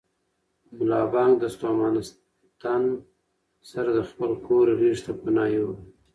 ملا بانګ د ستومانه تن سره د خپل کور غېږې ته پناه یووړه.